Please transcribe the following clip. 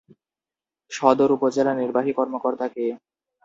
সদর উপজেলা নির্বাহী কর্মকর্তা কে?